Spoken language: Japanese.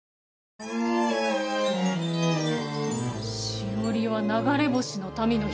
しおりは流れ星の民の姫。